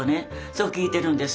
そう聞いてるんです。